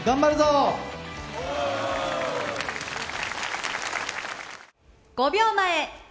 オ！５秒前。